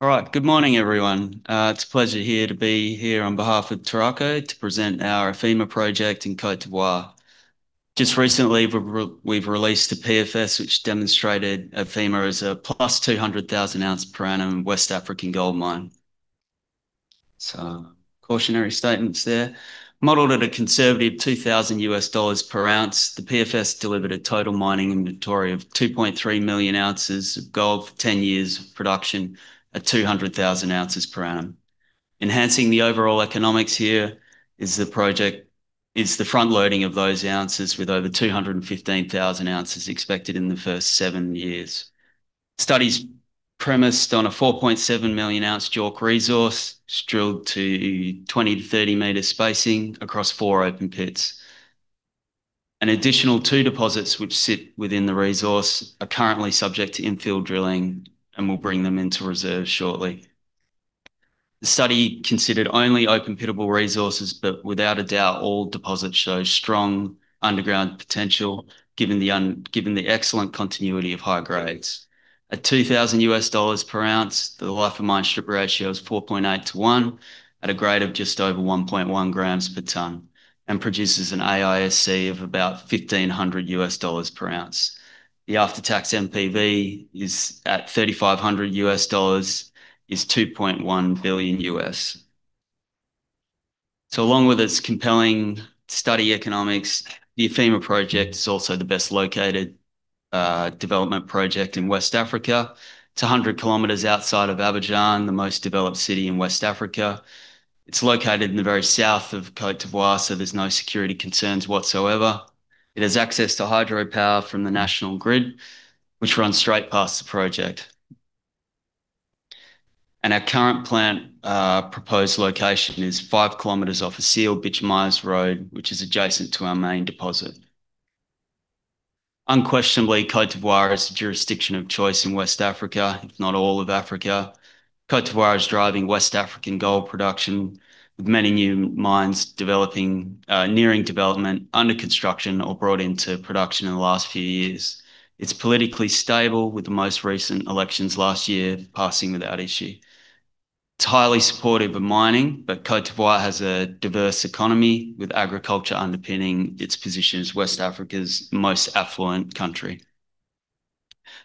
All right. Good morning, everyone. It's a pleasure here to be here on behalf of Turaco to present our Afema Project in Côte d'Ivoire. Just recently, we've released a PFS, which demonstrated Afema as a +200,000 oz per annum West African gold mine. So, cautionary statements there. Modeled at a conservative $2,000/oz, the PFS delivered a total mining inventory of 2.3 million ounces of gold for 10 years of production at 200,000 oz per annum. Enhancing the overall economics here is the front loading of those ounces, with over 215,000 oz expected in the first seven years. Study's premised on a 4.7 million oz JORC resource drilled to 20–30-meter spacing across four open pits. An additional two deposits which sit within the resource are currently subject to infill drilling, and we'll bring them into reserve shortly. The study considered only open pitable resources, but without a doubt, all deposits show strong underground potential given the excellent continuity of high grades. At $2,000/oz, the life-of-mine strip ratio is 4.8:1 at a grade of just over 1.1 g/t and produces an AISC of about $1,500/oz. The after-tax NPV is at $3,500 is $2.1 billion. Along with its compelling study economics, the Afema Project is also the best located development project in West Africa. It's 100 km outside of Abidjan, the most developed city in West Africa. It's located in the very south of Côte d'Ivoire, so there's no security concerns whatsoever. It has access to hydropower from the national grid, which runs straight past the project. Our current plant proposed location is 5 km off a sealed bituminous road, which is adjacent to our main deposit. Unquestionably, Côte d'Ivoire is the jurisdiction of choice in West Africa, if not all of Africa. Côte d'Ivoire is driving West African gold production, with many new mines nearing development, under construction, or brought into production in the last few years. It's politically stable, with the most recent elections last year passing without issue. It's highly supportive of mining, but Côte d'Ivoire has a diverse economy, with agriculture underpinning its position as West Africa's most affluent country.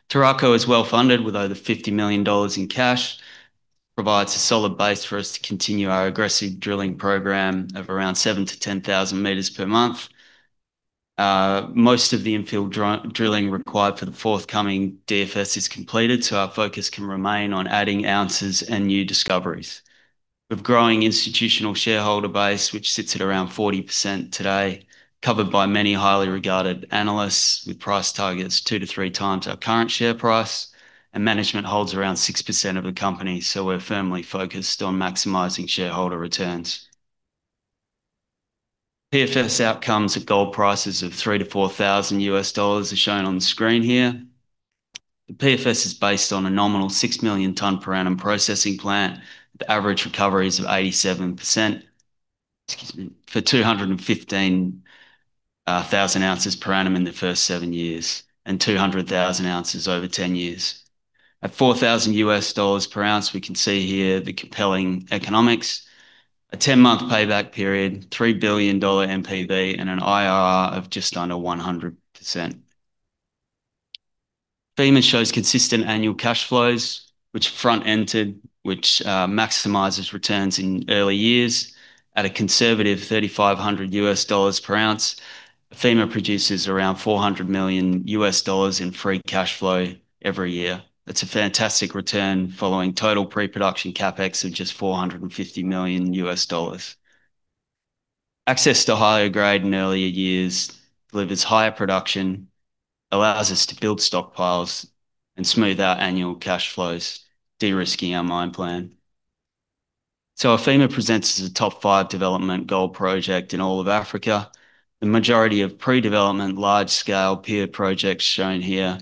Turaco is well-funded, with over 50 million dollars in cash, provides a solid base for us to continue our aggressive drilling program of around 7,000-10,000 m per month. Most of the infill drilling required for the forthcoming DFS is completed, so our focus can remain on adding ounces and new discoveries. We have a growing institutional shareholder base, which sits at around 40% today, covered by many highly regarded analysts, with price targets two to three times our current share price, and management holds around 6% of the company, so we're firmly focused on maximizing shareholder returns. PFS outcomes at gold prices of $3,000-$4,000 are shown on the screen here. The PFS is based on a nominal 6 million ton per annum processing plant with average recoveries of 87% for 215,000 oz per annum in the first seven years and 200,000 oz over 10 years. At $4,000/oz, we can see here the compelling economics, a 10-month payback period, $3 billion NPV, and an IRR of just under 100%. Afema shows consistent annual cash flows, which maximizes returns in early years. At a conservative $3,500/oz, Afema produces around $400 million in free cash flow every year. It's a fantastic return following total pre-production CapEx of just $450 million. Access to higher grade in earlier years delivers higher production, allows us to build stockpiles, and smooth our annual cash flows, de-risking our mine plan. Afema presents as a top five development gold project in all of Africa. The majority of pre-development, large-scale peer projects shown here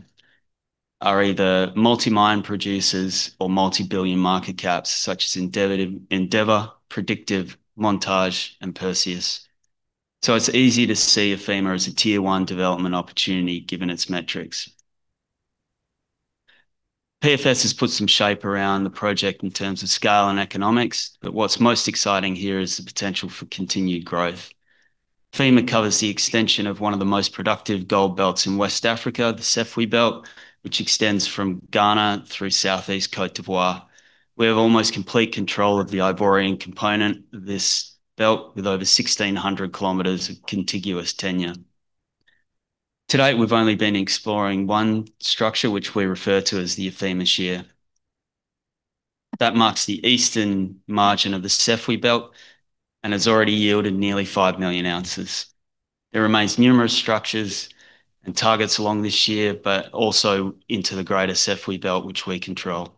are either multi-mine producers or multi-billion market caps, such as Endeavour, Predictive, Montage, and Perseus. It's easy to see Afema as a Tier 1 development opportunity given its metrics. PFS has put some shape around the project in terms of scale and economics, but what's most exciting here is the potential for continued growth. Afema covers the extension of one of the most productive gold belts in West Africa, the Sefwi Belt, which extends from Ghana through Southeast Côte d'Ivoire. We have almost complete control of the Ivorian component of this belt with over 1,600 km of contiguous tenure. To date, we've only been exploring one structure, which we refer to as the Afema Shear. That marks the eastern margin of the Sefwi Belt and has already yielded nearly 5 million ounces. There remains numerous structures and targets along this shear, but also into the greater Sefwi Belt, which we control.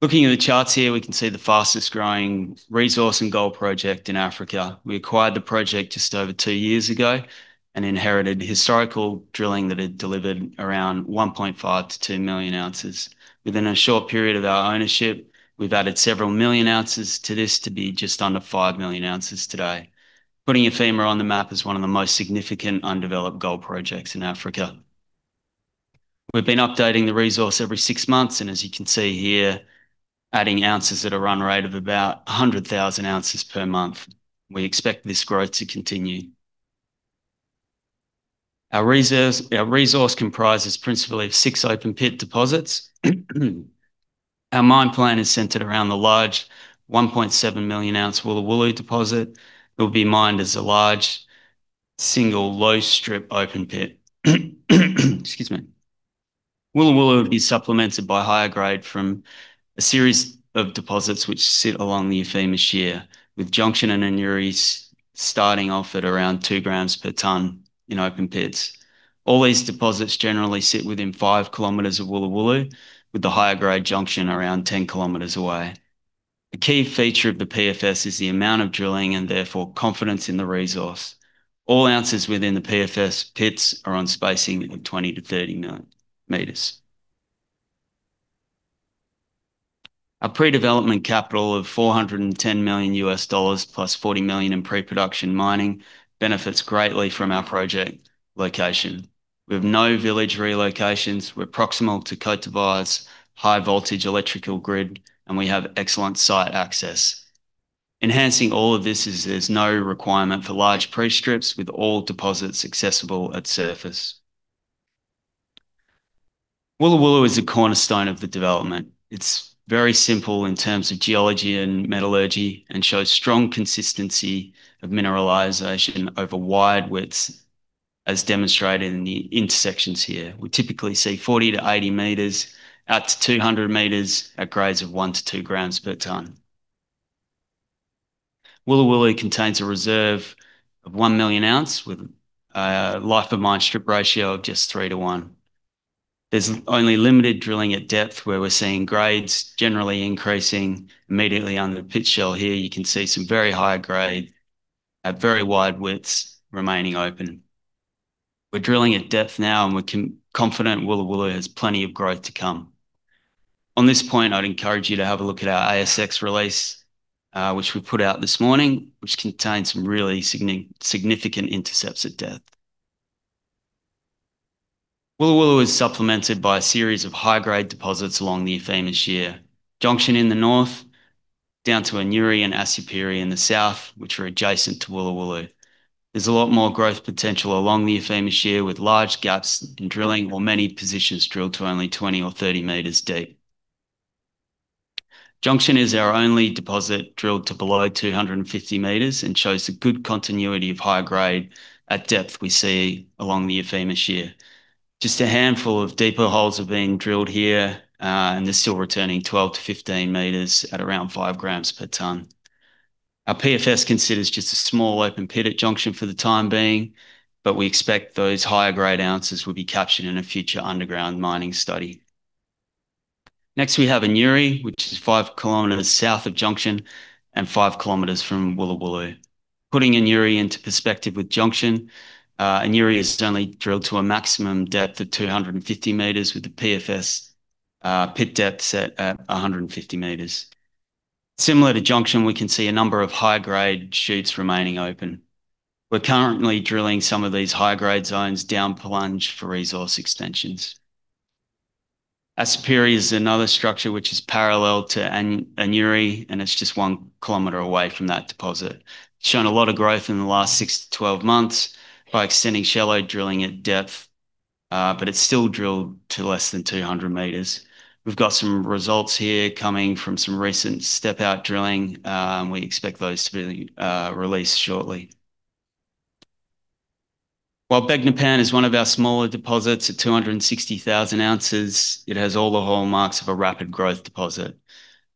Looking at the charts here, we can see the fastest growing resource and gold project in Africa. We acquired the project just over two years ago and inherited historical drilling that had delivered around 1.5 million-2 million ounces. Within a short period of our ownership, we've added several million ounces to this to be just under 5 million ounces today, putting Afema on the map as one of the most significant undeveloped gold projects in Africa. We've been updating the resource every six months, and as you can see here, adding ounces at a run rate of about 100,000 oz per month. We expect this growth to continue. Our resource comprises principally of six open pit deposits. Our mine plan is centered around the large 1.7-million-ounce Woulo Woulo deposit. It will be mined as a large, single-low-strip open pit. Excuse me. Woulo Woulo is supplemented by higher grade from a series of deposits, which sit along the Afema Shear, with Jonction and Anuiri starting off at around 2 g/t in open pits. All these deposits generally sit within 5 km of Woulo Woulo, with the higher-grade Jonction around 10 km away. A key feature of the PFS is the amount of drilling, and therefore confidence in the resource. All ounces within the PFS pits are on spacing of 20-30 m. Our pre-development capital of $410 million, plus $40 million in pre-production mining, benefits greatly from our project location. We have no village relocations. We're proximal to Côte d'Ivoire's high-voltage electrical grid, and we have excellent site access. Enhancing all of this is there's no requirement for large pre-strips, with all deposits accessible at surface. Woulo Woulo is a cornerstone of the development. It's very simple in terms of geology and metallurgy, and shows strong consistency of mineralization over wide widths, as demonstrated in the intersections here. We typically see 40-80 m, out to 200 m at grades of 1-2 g/t. Woulo Woulo contains a reserve of 1 million ounce, with a life-of-mine strip ratio of just 3:1. There's only limited drilling at depth where we're seeing grades generally increasing immediately under the pit shell. Here, you can see some very high grade at very wide widths remaining open. We're drilling at depth now, and we're confident Woulo Woulo has plenty of growth to come. On this point, I'd encourage you to have a look at our ASX release, which we put out this morning, which contains some really significant intercepts at depth. Woulo Woulo is supplemented by a series of high-grade deposits along the Afema Shear. Jonction in the north, down to Anuiri and Asupiri in the south, which are adjacent to Woulo Woulo. There's a lot more growth potential along the Afema Shear, with large gaps in drilling or many positions drilled to only 20 m or 30 m deep. Jonction is our only deposit drilled to below 250 m and shows a good continuity of high grade at depth we see along the Afema Shear. Just a handful of deeper holes have been drilled here, and they're still returning 12-15 m at around 5 g/t. Our PFS considers just a small open pit at Jonction for the time being, but we expect those higher-grade ounces will be captured in a future underground mining study. Next, we have Anuiri, which is 5 km south of Jonction and 5 km from Woulo Woulo. Putting Anuiri into perspective with Jonction, Anuiri is only drilled to a maximum depth of 250 m, with the PFS pit depth set at 150 m. Similar to Jonction, we can see a number of high-grade shoots remaining open. We're currently drilling some of these high-grade zones down plunge for resource extensions. Asupiri is another structure which is parallel to Anuiri, and it's just 1 km away from that deposit. It's shown a lot of growth in the last 6-12 months by extending shallow drilling at depth, but it's still drilled to less than 200 m. We've got some results here coming from some recent step-out drilling. We expect those to be released shortly. While Begnopan is one of our smaller deposits at 260,000 oz, it has all the hallmarks of a rapid growth deposit.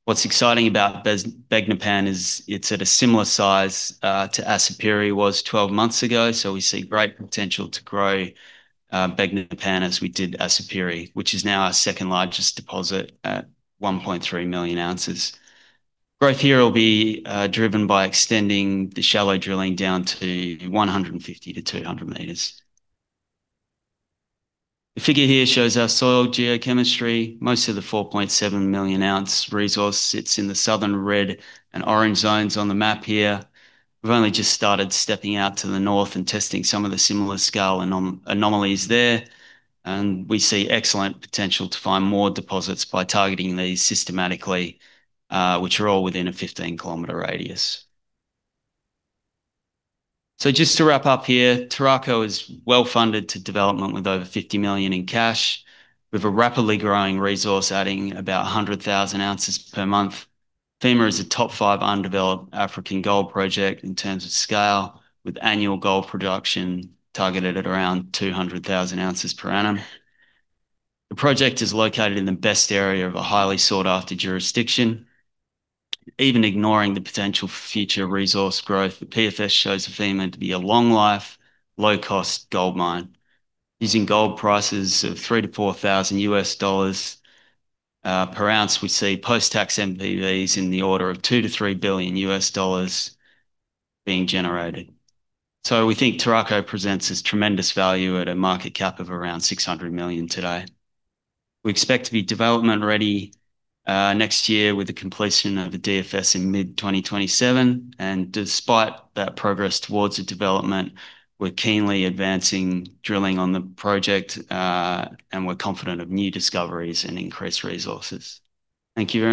What's exciting about Begnopan is it's at a similar size to Asupiri was 12 months ago, so we see great potential to grow Begnopan as we did Asupiri, which is now our second largest deposit at 1.3 million ounces. Growth here will be driven by extending the shallow drilling down to 150-200 m. The figure here shows our soil geochemistry. Most of the 4.7-million-ounce resource sits in the southern red and orange zones on the map here. We've only just started stepping out to the north and testing some of the similar scale anomalies there, and we see excellent potential to find more deposits by targeting these systematically, which are all within a 15 km radius. Just to wrap up here, Turaco is well-funded to development with over 50 million in cash. We've a rapidly growing resource, adding about 100,000 oz per month. Afema is a top five undeveloped African gold project in terms of scale, with annual gold production targeted at around 200,000 oz per annum. The project is located in the best area of a highly sought after jurisdiction. Even ignoring the potential for future resource growth, the PFS shows Afema to be a long life, low-cost gold mine. Using gold prices of $3,000/oz-$4,000/oz, we see post-tax NPVs in the order of $2 billion-$3 billion being generated. We think Turaco presents as tremendous value at a market cap of around 600 million today. We expect to be development ready next year with the completion of a DFS in mid 2027, and despite that progress towards the development, we're keenly advancing drilling on the project, and we're confident of new discoveries and increased resources. Thank you very much.